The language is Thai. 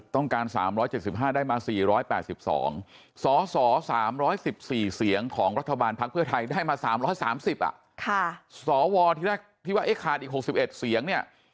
ต้องการ๓๗๕ได้มา๔๘๒สส๓๑๔เสียงของรัฐบาลภักดิ์เพื่อไทยได้มา๓๓๐สวที่แรกที่ว่าขาดอีก๖๑เสียงเนี่ย